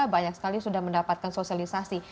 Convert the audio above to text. banyak sekali sudah mendapatkan sosialisasi